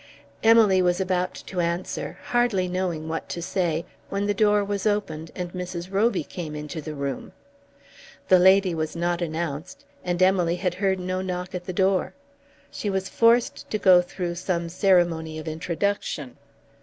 Emily was about to answer, hardly knowing what to say, when the door was opened and Mrs. Roby came into the room. The lady was not announced, and Emily had heard no knock at the door. She was forced to go through some ceremony of introduction.